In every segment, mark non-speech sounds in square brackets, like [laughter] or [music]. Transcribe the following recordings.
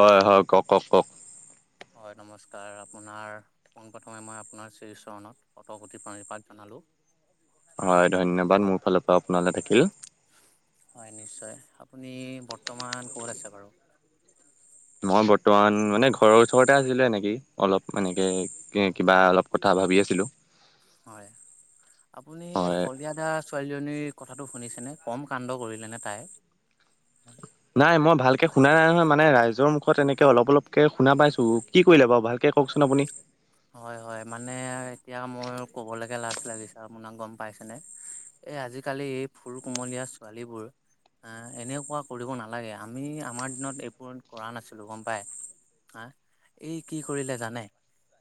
হয় হয় কওক কওক কওক। হয় নমস্কাৰ আপোনাৰ পোনপ্ৰথমে মই আপোনাৰ শ্ৰীচৰণত অটপতি প্ৰণীপাত জনালোঁ। [unintelligible] হয় ধন্যবাদ মোৰ ফালৰ পৰা আপোনালৈ থাকিল। হয় নিশ্চয় আপুনি বৰ্তমান ক'ত আছে বাৰু। মই বৰ্তমান মানে ঘৰৰ ওচৰতে আছিলো এনেকি অলপ এনেকে কিবা অলপ কথা ভাবি আছিলো। হয় আপুনি হয় শলিয়া দাৰ ছোৱালীজনী। কথাটো শুনিছেনেেকম কাণ্ড কৰিলে নে তাই। নাই মই ভালকে শুনা নাই নহয় মানে ৰাইজৰ মুখত এনেকে অলপ অলপকে শুনা পাইছো কি কৰিলে বাৰু ভালকে। কওকচোন আপুনি। হয় হয় মানে এতিয়া মোৰ ক'বলৈকে লাজ লাগিছে আপোনাক গম পাইছানে। এ আজিকালি এই ফুৰ কোমলীয়া ছোৱালীবোৰ। আহ এনেকুৱা কৰিব নালাগে আমি আমাৰ দিনত এইবোৰ কৰা নাছিলো গম পাই। হ এই কি কি কৰিলে জানে।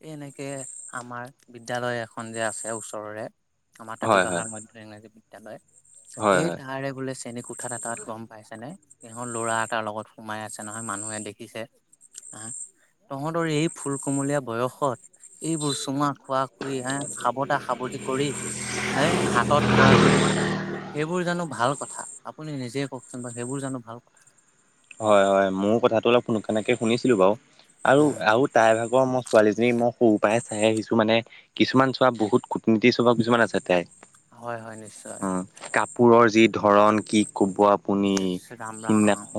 এই এনেকে আমাৰ বিদ্যালয় এখন যে আছে ওচৰৰে। আমাৰ কাতি হয় হয় বাহাৰ মধ্য ইংৰাজী বিদ্যালয়। হয় সেই হয় তাৰে বোলে চেনী কোঠা এটা তাত গম পাইছে নে। কিহ ল'ৰা এটাৰ লগত সোমাই আছে নহয় মানুহে দেখিছে। হ তহঁতৰ এই ফুল কমলীয়া বয়স। এইবোৰ চুমা খোৱা খুই হে সাৱতা সাৱটি কৰি এ হাতত ধৰা ধৰি। সেইবোৰ জানো ভাল কথা আপুনি নিজে কওকচোন বা সেইবোৰ জানো ভাল কথা। হয় হয় মোৰ কথাটো অলপ সোনানকে শুনিছিলো বাৰু আৰু উম আৰু তাইৰ ভাগৰ ম। ছোৱালীজনী মই সৰুৰ পৰাই চাই আহিছো মানে কিছুমান চোৱা বহুত কুটনীতি স্বভাৱ কিছুমান আছে তাইৰ। হয় হয় নিশ্চয়। অ' কাপোৰৰ যি ধৰণ কি কোবোৱা। ইছ ৰাম ৰাম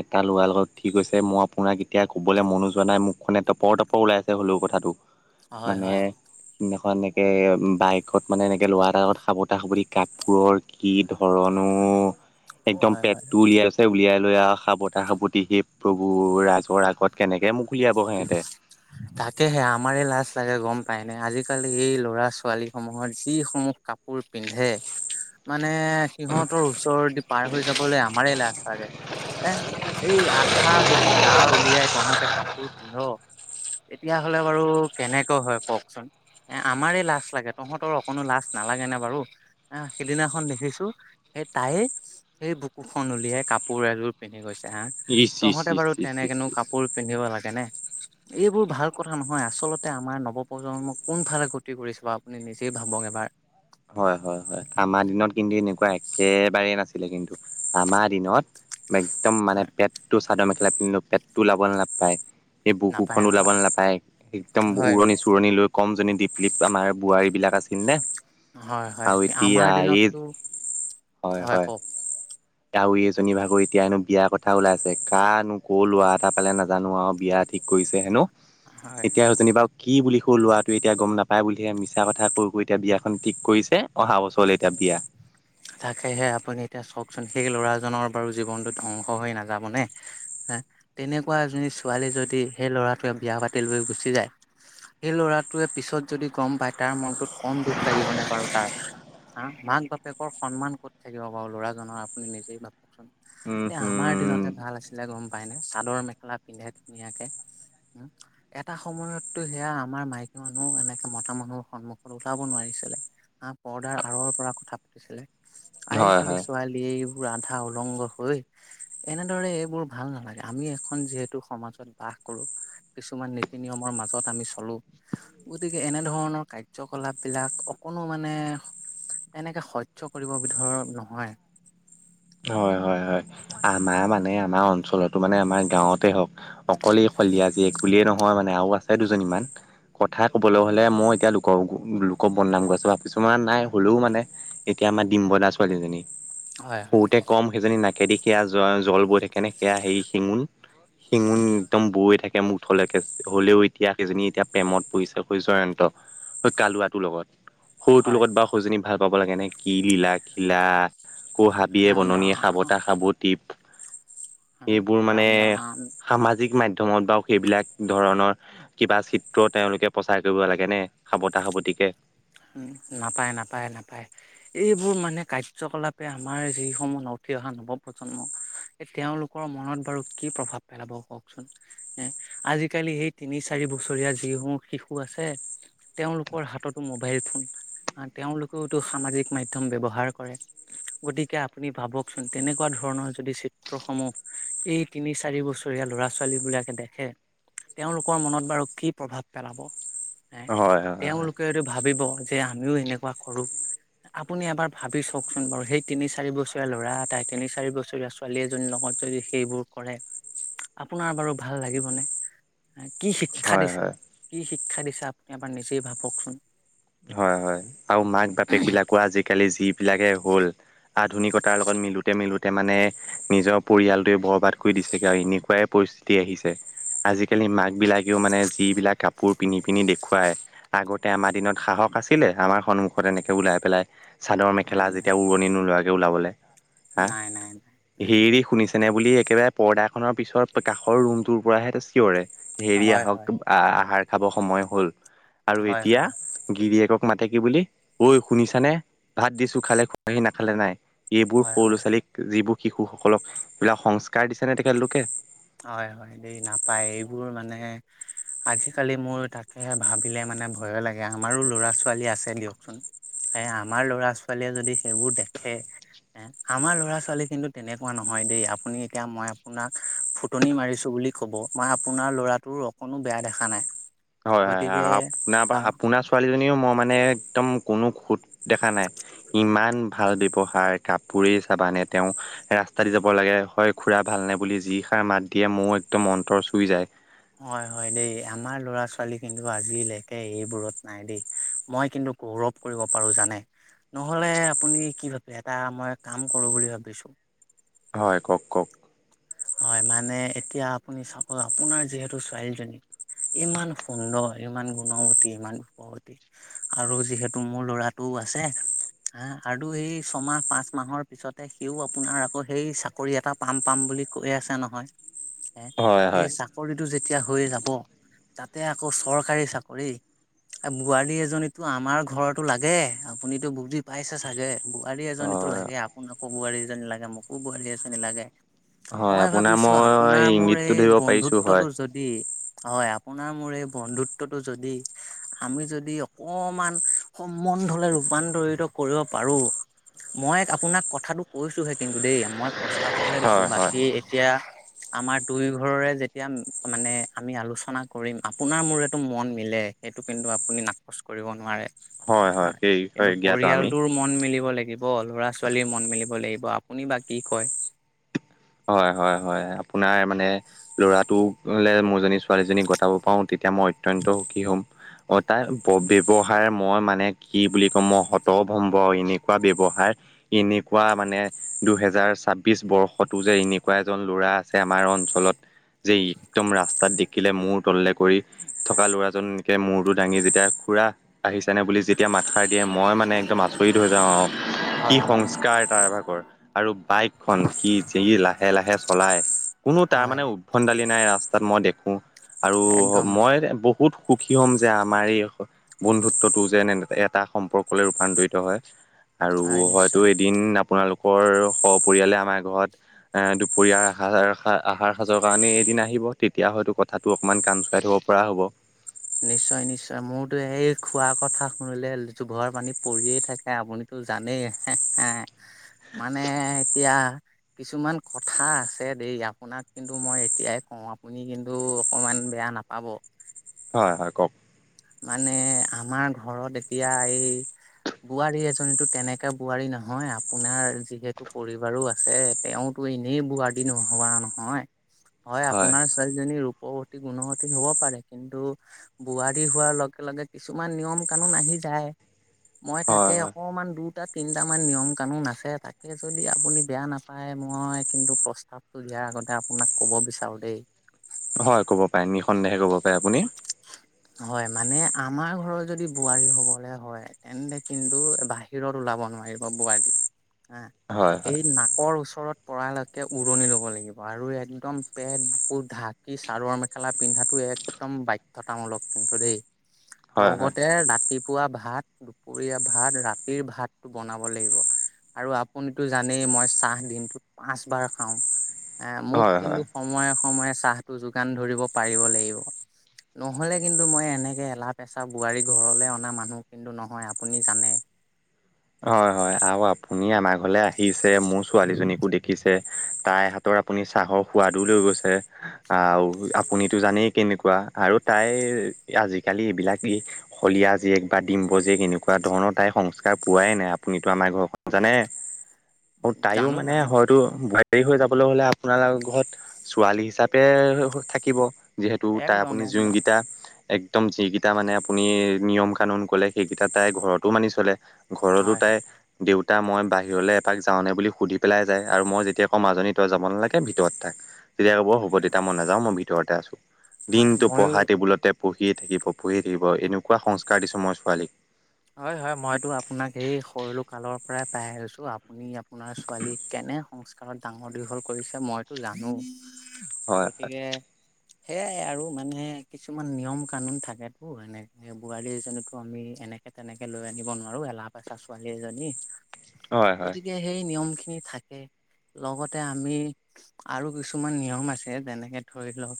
এটা ল'ৰা লগত উঠি গইছে মই আপোনাক এতিয়া কবলে মনো যোৱা নাই মুখখনে টপৰ টপৰ ওলাই আছে হ'লেও কথাটো হয় মানে হয় সিদিনাখন এক এ বাইকত মানে এনেকে লৰা এটা আগত সাৱটা সাৱটি কাপোৰৰ কি ধৰনো একদম হয় হয় পেটটো উলিয়াইছে উলিয়াইছে সাৱতা সাৱতি সেই প্ৰভুৰ ৰাজৰ আগত কেনেকে মোক উলিয়াব সিহঁতে তাকেহে আমাৰে লাজ লাগে গম এনে আজিকালি এই ল'ৰা ছোৱালী সমূহৰ যিসমূহ কাপোৰ পিন্ধে মানে মানে সিহঁতৰ ওচৰদি পাৰ হৈ যাবলৈ আমাৰে লাজ চাগে এ এই আঠ আধা যদি গা উলিয়াই তহঁতে কাপ অ এতিয়াহলে বাৰু কেনেকৈ হয় কওকচোন এ আমাৰে লাজ লাগে তহঁতৰ অকণো লাজ নালাগে নে বাৰু এ সিদিনাখন দেখিছো সেই তাইয়ে সেই বুকুখন উলিয়াই কাপোৰ এযোৰ পিন্ধি গৈছে হ ইচ ইচ তহঁতে ইচ বাৰু ইচ ইচ তেনেকেনো ইচ। কাপোৰ পিন্ধিব লাগে নে এইবোৰ ভাল কথা নহয় আচলতে আমাৰ নৱপ্ৰজন্মক কোনফালে গতি কৰিছে আপুনি নিজেই ভাবক এবাৰ হয় হয় হয় আমাৰ দিনত কিন্তু এনেকুৱা একেবাৰেই নাছিলে কিন্তু আমাৰ দিনত একদম মানে হয় পেটটো চাদৰ মেখেলা পিন্ধিলো পেটটো ওলাব নাপায় সেই বুকুখন ওলাব নাপায় একদম উৰণি চোৰণি লৈ কম জনী দীপলীপ আমাৰ বোৱাৰী বিলাক আছিল নে হয় হয় আৰু আমাৰ এতিয়া এই দিনততো হয় হয় কাউৰী এজনী ভাগৰি এতিয়ানো বিয়াৰ কথা ওলাই আছে কানো ক' লৰা এটা পালে নাজানো আৰু বিয়াত ঠিক কৰিছে হেনো হয় এতিয়া যেনিবাও কি বুলি ক' লৰাটো এতিয়া গম নাপাই বুলিহে মিছা কথা কৈ কৈ এতিয়া বিয়াখন ঠিক কৰিছে অহা বছৰলৈ এতিয়া দিয়া তাকেহে আপুনি এতিয়া চকচোন সেই ল'ৰাজনৰ বাৰু জীৱনটোত ধ্বংস হৈ নাযাব নে, তেনেকোৱা এজনী ছোৱালী যদি সেই লৰাটোৱে বিয়া পাতি লৈ গুচি যায় সেই ল'ৰাটোৱে পিছত যদি গম পায় তাৰ মনটোত কম দুখ লাগিবনে বাৰু তাৰ হ মাক বাপেকৰ সন্মান ক'ত থাকিব বাৰু ল'ৰাজনৰ আপুনি নিজেই ভাবকচোন উম এ আমাৰ হম দিনতে ভাল আছিলে গম পাই নে চাদৰ মেখেলা পিন্ধে ধুনীয়াকে উ এটা সময়তো সেয়া আমাৰ মাইকী মানুহ এনেকে মতা মানুহ সন্মুখত ওলাব নোৱাৰিছে পৰ্দাৰ আঁৰৰ পৰা কথা পাতিছিলে হয় আজিকালি হয়। ছোৱালীয়ে আধা উলংগ হৈ এনেদৰে এইবোৰ ভাল নালাগে আমি এখন যিহেতু সমাজত বাস কৰো কিছুমান নীতি নিয়মৰ মাজত আমি চলো গতিকে এনেধৰণৰ কাৰ্যকলাপ বিলাক কোনো মানে এনেকে সহ্য কৰিব বিধৰ নহয় হয় হয় হয় আমাৰ মানে আমাৰ অঞ্চলতো মানে আমাৰ গাঁৱতে হওক অকলে শলিয়া জীয়েক বুলিয়েই নহয় মানে আৰু আছে দুজনীমান কথা কবলৈ হলে মই এতিয়া লোক লোক বদনাম গৈ আছো কিছুমান নাই হলেও মানে এতিয়া এতিয়া আমা ডিম্বু দা ছোৱালীজনী হয় হয় সৰুতে কম সেইজনী না কেদিখেৰা জ জল বৈ থাকে নে সেয়া হেৰি শিঙোন শিঙুন একদম বৈ থাকে মুখলৈকে হলেও এতিয়া সেইজনী এতিয়া প্ৰেমত পৰিছেগৈ জয়ন্ত হৈ কালুৱাটোৰ লগত সৰুটোৰ হয় লগত বা সৰুজনী ভাল পাব লাগে নে কি লীলা খিলা অ হাবিয়ে ৰাম বননিয়ে ৰাম সাবতা সাবতি এইবোৰ মানে ৰাম ৰাম সামাজিক মা ধ্যমত বাও সেইবিলাক ধৰণৰ কিবা চিত্ৰ তেওঁলোকে প্ৰচাৰ কৰিব লাগে নে সাবতা সাবতিকে উম নাপায় নাপায় নাপায় এইবোৰ মানে কাৰ্যকলাপে আমাৰ যিসমূহ ন উঠি অহা নৱপ্ৰজন্ম এ তেওঁলোকৰ মনত বাৰু কি প্ৰভাৱ পেলাব কওকচোন এ আজিকালি সেই তিনি চাৰি বছৰীয়া যিসমূহ শিশু আছে তেওঁলোকৰ হাততো মো বাইল ফোন তেওঁলোকেতো সামাজিক মাধ্যম ব্যৱহাৰ কৰে। গতিকে আপুনি ভাবকচোন তেনেকোৱা ধৰণৰ যদি চিত্ৰসমূহ এই তিনি চাৰি বছৰীয়া ল'ৰা ছোৱালী বিলাকে দেখে তেওঁলোকৰ মনত বাৰু কি প্ৰভাৱ পেলাব। হে হয় হয় হয় তেওঁলোকে হয়টো ভাবিব যে আমিও এনেকোৱা কৰোঁ। আপুনি এবাৰ ভাবি চওকচোন বাৰু সেই তিনি চাৰি বছৰীয়া ল'ৰা এটাই তিনি চাৰি বছৰীয়া ছোৱালী এজনীৰ লগত যদি সেইবোৰ কৰে আপোনাৰ বাৰু ভাল লাগিবনে? কি শিক্ষা হয় দিছে হয় কি শিক্ষা দিছে আপুনি এবাৰ নিজেই ভাবকচোন। হয় হয় আৰু মাক বাপেক বিলাকো আজিকালি যি বিলাকে হ'ল আধুনিকতাৰ লগত মিলোঁতে মিলোঁতে মানে নিজৰ পৰিয়ালটোৱে বৰবাদ কৰি দিছেগে আৰু এনেকোৱাই পৰিস্থিতি আহিছে, আজিকালি মাক বিলাকেও মানে যিবিলাক কাপোৰ পিন্ধি পিনি দেখুৱায় আগতে আমাৰ দিনত সাহস আছিলে আমাৰ সন্মুখত এনেকে ওলাই পেলাই চাদৰ নাই মেখেলা নাই যেতিয়া উৰণি নোলোৱা কে ওলাবলে হা নাই নাই নাই নাই হেৰি শুনিছেনে বুলি একেবাৰে পৰ্দাখনৰ পিছত কাষৰ ৰুমটোৰ পৰাহে চিঞৰে হেৰি হয় আহক হয় আহ আহাৰ খাব সময় হ'ল। আৰু হয় এতিয়া হয় হয়। গিৰিয়েকক মাতে কি বুলি ঐ শুনিছানে ভাত দিছো খালে খুৱাহি নাখালে নাই। এইবোৰ হয় সৰু ল'ৰা হয় ছোৱালীক যিবোৰ শিশুসকলক এইবিলাক সংস্কাৰ দিছে নে তেখেতলোকে হয় হয় দেই নাপায় এইবোৰ মানে আজিকালি মোৰ তাকেহে ভাবিলে মানে ভয় লাগে আমাৰো ল'ৰা- ছোৱালী আছে দিয়কচোন। এ আমাৰ ল'ৰা -ছোৱালীয়ে যদি সেইবোৰ দেখে এ আমাৰ ল'ৰা ছোৱালী কিন্তু তেনেকুৱা নহয়। দেই আপুনি এতিয়া মই আপোনাক ফুট- ফুটনি মাৰিছো বুলি কব মই আপোনাৰ ল'ৰাটোৰ অকণো বেয়া দেখা নাই। হয় হয় গতিকে আপোনাৰ আপোনাৰ ছোৱালীজনীও মই মানে একদম কোনো খোট দেখা নাই ইমান ভাল ব্যৱহাৰ কাপোৰেই চাবানে তেওঁ ৰা- ৰাস্তা দি যাব লাগে হয় খুৰা ভালনে বুলি যি সাৰ মাত দিয়ে মইয়ো একদম মন্তৰ চুই যায়। হয় হয় দেই আমাৰ লৰা- ছোৱালী কিন্তু আজিলৈকে এইবোৰত নাই দেই মই কিন্তু, গৌৰৱ কৰিব পাৰো জানে নহলে আপুনি কি ভাবে এটা মই কাম কৰো বুলি ভাবিছোঁ। [inaudible] হয় কওক কওক। হয়, মানে এতিয়া আপুনি চাব আপোনাৰ যিহেতু ছোৱালীজনী ইমান সুন্দৰ, ইমান গুণৱতী, ইমান দুখৱতী, আৰু যিহেতু মোৰ ল'ৰাটো আছে। হ আৰু সেই ছমাহ পাঁচ মাহৰ পিছতে সিও আপোনাৰ আকৌ সেই চাকৰি এটা পাম পাম বুলি কৈ আছো নহয়, এ হয় এই হয় চাকৰিটো যে এতিয়া হৈ যাব তাতে আকৌ চৰকাৰী চাকৰি। বোৱাৰী এজনীতো আমাৰ ঘৰতো লাগে, আপুনিতো বুজি পাইছে চাগে। বোৱাৰী এজনীতো হয় লাগে আপোনাকো বোৱাৰী এজনী লাগে মোকো বোৱাৰী এজনী লাগে। হয় মই আপোনাৰ ভাবিছো মই আপোনাৰ মোৰ ইংগিতটো এই ধৰিব পাৰিছো হয় বন্ধুত্বটো যদি হয় আপোনাৰ মোৰ এই বন্ধুত্বটো যদি আমি যদি অকমান সম্বন্ধলৈ ৰূপান্তৰিত কৰিব পাৰোঁ। মই আপোনাক কথাটো কৈছোহে কিন্তু দেই মই প্ৰস্তাৱটোহে দিছো হয় হয় বাকী এতিয়া আমাৰ দুই ঘৰৰে যেতিয়া মানে আমি আলোচনা কৰিম আপোনাৰ মোৰেটো মন মিলে। সেইটো কিন্তু আপুনি নাকচ কৰিব নোৱাৰে হয় সেই কিন্তু বিষয়ে জ্ঞাত আমি পৰিয়ালটোৰ মন মিলিব লাগ- গিব লৰা ছোৱালীৰ মন মেলিব লাগিব আপুনি বা কি কয়। হয় হয় হয় আপোনাৰ মানে ল'ৰাটোলে মোৰজনী ছোৱালীজনীক গটাব পাওঁ তেতিয়া মই অত্যন্ত সুখী হ'ম। অ তাৰ ব্যৱহাৰ মই মানে কি বুলি কম মই সত ভম্ব এনেকুৱা ব্যৱহ- হাৰ এনেকুৱা মানে দুহেজাৰ ছাব্বিশ বৰ্ষত। টো যে এনেকুৱা এজন ল'ৰা আছে আমাৰ অঞ্চলত। যে একদম ৰাস্তাত দেখিলে মূৰ তললে কৰি, থকা ল'ৰাজন একে মূৰটো দাঙি যেতিয়া খুৰা আহিছে নে বুলি যেতিয়া মাতষাৰ দিয়ে মই মানে একদম আ- আচৰিত হৈ যাওঁ আৰু কি হয় হয় সংস্কাৰ টাৰভাগৰ আৰু বাইকখন সি- যি লাহে লাহে চলাই কোনো তাৰ হয় মানে উদ্ভন দালি নাই ৰাস্তাত মই দেখো। আৰু একদম মই বহুত সুখী হ'ম যে আমাৰ এই- বন্ধুত্বটো যেন এটা সম্পৰ্কলৈ ৰূপান্তৰিত হয়। আৰু হয় হয়তো নিশ্চয় এদিন আপোনালোকৰ সপৰিয়ালে আমাৰ ঘৰত। এ দুপৰীয়াৰ আহাৰ আহাৰ সাজৰ কাৰণে এদিন আহিব তেতিয়া হয়তো কথাটো অকমান কাণচোৱাই - থব পৰা হ'ব। নিশ্চয় নিশ্চয় মোৰতো এই খোৱা কথা শুনিলে লোভৰ পানী পৰিয়ে থাকে আপুনিতো- জানেই হেহ হেহ মানে এতিয়া কিছুমান কথা আছে দেই আপোনাক কিন্তু মই এতিয়াই কওঁ আপুনি কিন্তু অকমান বেয়া নাপাব। হয় হয় কওক। মানে আমাৰ ঘৰত এতিয়া এই বোৱাৰী এজনীতো তেনেকে বোৱাৰী নহয় আপোনাৰ যিহেতু পৰিবাৰো আছে তেওঁতো এনেই বোৱাৰী নোহোৱা নহয়। হয় আপোনাৰ ছোৱালীজনী ৰূপৱতী, গুণগতী হব পাৰে কিন্তু বোৱাৰ- ৰী হোৱাৰ লগে লগে কিছুমান নিয়ম কানুন আহি যায়, মই হয় তাকে হয় অকমান দূৰ- দুটা তিনিটামান নিয়ম কানুন আছে তাকে যদি আপুনি বেয়া নাপায় মই কিন্তু প্ৰস্তাৱটো দিয়া আগতে আপোনাক ক'ব বিচাৰো দেই। হয় ক'ব পাৰে নিঃসন্দেহে ক'ব পাৰে আপুনি। হয় মানে আমাৰ ঘৰৰত যদি বোৱাৰী হবলে হয় তেন্তে কিন্তু বাহিৰত ওলাই যাব নোৱাৰিব বোৱাৰী হা হয় এই হয় নাকৰ ওচৰত পৰালৈকে উৰণি ল'ব লাগিব আৰু একদম পেট, বুকুৰ ঢাকি চাৰৰ মেখেলা পিন্ধাটো একদম বাধ্যতামূলক। কিন্তু দেই হয় হয় লগতে ৰাতিপুৱা ভাত দুপৰীয়া ভাত, ৰাতিৰ ভাতটো বনাব লাগিব। আৰু আপুনিতো জানেই মই চাহ দিনটো পাঁচবাৰ খাওঁ। এ মোক হয় কিন্তু হয় সময়ে-সময়ে চাহটো যোগান ধৰিব পাৰিব লাগিব। [unintelligible] নহ'লে কিন্তু মই এনেকে এলাহ-পেচাহ বোৱাৰী ঘৰলৈ অনা মানুহ কিন্তু নহয় আপুনি জানে। [inaudible] হয়-হয় আৰু আপুনি আমাৰ ঘৰলে আহিছে মোৰ ছোৱালীজনীকো দেখিছে। তাই হাতৰ আপুনি চাহৰ সোৱাদো লৈ গৈছে আহ আপুনিতো জানেই কেনেকুৱা। আৰু তাইৰ আজিকালি এইবিলাক শলিয়া জীয়েক বা ডিম্ব জীয়েক এনেকুৱা ধৰণৰ তাইপ সংস্কাৰ পোৱাই নাই আপুনিতো আমাৰ ঘৰখন জানে আৰু তাইও জানো মানে জানো হয়তো বোৱাৰী হৈ যাব। কবলৈ গ'লে লে আপোনালৰ ঘৰত ছোৱালী হিচাপে থাকিব। যিহেতু তাৰ একদম আপুনি একদম যোনকেইটা একদম যিকেইটা মানে আপুনি নিয়ম কানুন কলে সেইকেইটা তাই ঘৰতো মানি চলে। ঘৰতো হয় তাই দেউ- তা মই বাহিৰলৈ এপাক যাওঁনে বুলি সুধি পেলাই যায় আৰু মই যেতিয়া আকৌ মাজনী তই যাব নালাগে ভিতৰত থাক। তেতিয়া ক'ব হ'ব হয় দেউতা মই নাযাওঁ মই ভিতৰতে আছো হয় দিনটো ময়ো পঢ়া টেবুলতে পঢ়ি থাকিব পঢ়ি থাকিব এনেকুৱা সংস্কাৰ দিছোঁ মই ছোৱালীক। হয় হয় মইতো আপোনাক সেই সৰু কালৰ পৰাই পাই আহিছো আপুনি আপোনাৰ ছোৱালী কেনে কেনে সংস্কাৰত ডাঙৰ দীঘল কৰিছে মইতো জানো হয় গতিকে সেয়াই আৰু মানে কিছুমান নিয়ম কানুন থাকো এনেকে বোৱাৰী এজনীতো আমি এনেকে তেনেকে লৈ আনিব নোৱাৰো এলাহ পেচাহ ছোৱালী এজনী হয় হয় হয় গতিকে সেই নিয়মখি- থাকে। লগতে আমি আৰু কিছুমান নিয়ম আছে যেনেকে ধৰি লওক,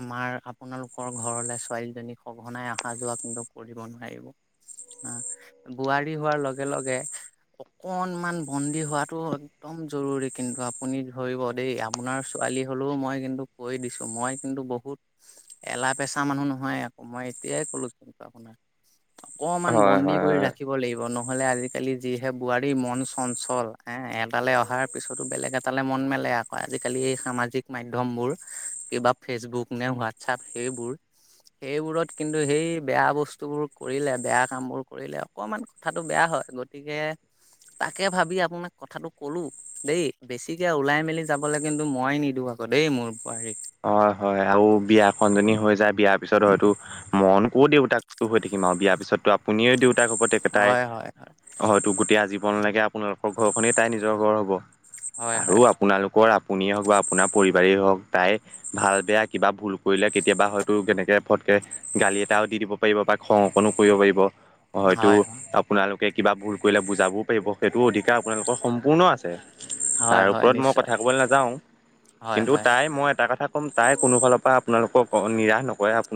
আমাৰ আপোনালোকৰ ঘৰলৈ ছোৱালীজনীক সঘনাই অহা যোৱা কিন্তু কৰিব নোৱাৰিব। আ বোৱাৰী হোৱাৰ লগে লগে অকনমান বন্দী হোৱাটো একদম জৰুৰী কিন্তু আপুনি ধৰিব দেই আপোনাৰ ছোৱালী হ'লেও মই কিন্তু কৈ দিছো মই কিন্তু বহুত এলাহ পেচাহ মানুহ নহয় আকৌ মই তেতিয়াই কলো আপোনাক অকনমান হয় বন্দী কৰি হয় ৰাখিব লাগিব ন নহলে আজিকালি যিহে বোৱাৰী মন চঞ্চল এ এটালৈ অহাৰ পিছতো বেলেগ এটালে মন মেলে আকৌ আজিকালি এই সামাজিক মাধ্যমবোৰ কিবা ফেচবুক নে হোৱাটছপ সেইবোৰ সেইবোৰত কিন্তু সেই বেয়া বস্তুবোৰ কৰিলে বেয়া কামবোৰ কৰিলে অকনমান কথাটো বেয়া হয় গতিকে তাকে ভাবি আপোনাক কথাটো কলো দেই বেছিকে ওলাই মেলি যাবলৈ কিন্তু মই নিদো আৰু আকৌ দেই মোৰ বোৱাৰীক হয়-হয় আৰু বিয়াখনজনী হৈ যায় বিয়াৰ পিছত হয়তো মইনো ক'ত দেউতাকটো হৈ থাকিম আৰু বিয়াৰ পিছতো আপুনিয়ে দেউতাক প্ৰতেকে তাই হয় হয় হয় হয়তো গোটেই আজীৱনলৈকে আপোনালোকৰ ঘৰখনে তাই নিজৰ ঘৰ হব হয় আৰু আপোনালোকৰ আপুনিয়ে হওক বা আপোনাৰ পৰিবাৰেই হওক তাই ভাল বেয়া কিবা ভুল কৰিলে কেতিয়াবা হয়তো কেনেকে ফটকে গালি এটাও দি দিব পাৰিব বা খং অকণো কৰিব পাৰিব হয়তো হয় হয় আপোনালোকে কিবা ভুল কৰিলে বুজাবও পাৰিব সেইটো অধিকাৰ আপোনালোকৰ সম্পূৰ্ণ আছে হয় তাৰ হয় ওপৰত মই নিশ্চয় কথা ক'বলৈ নাযাওঁ হয় কিন্তু হয় তাই মই এটা কথা ক'ম তাই কোনোফালৰ পৰা আপোনালোকক নিৰাশ নকৰে